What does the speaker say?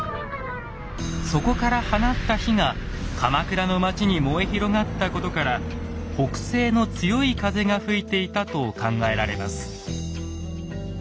そこから放った火が鎌倉の町に燃え広がったことから北西の強い風が吹いていたと考えられます。